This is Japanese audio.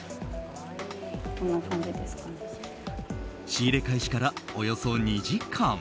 仕入れ開始からおよそ２時間。